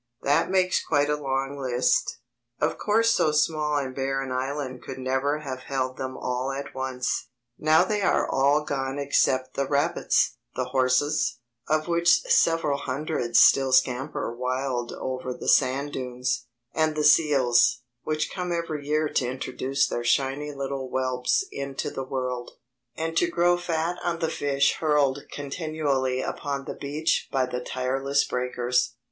That makes quite a long list. Of course so small and bare an island could never have held them all at once. Now they are all gone except the rabbits, the horses, of which several hundreds still scamper wild over the sand dunes, and the seals, which come every year to introduce their shiny little whelps into the world, and to grow fat on the fish hurled continually upon the beach by the tireless breakers.